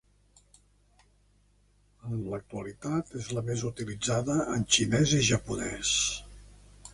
En l’actualitat és la més utilitzada en Xinès i Japonès.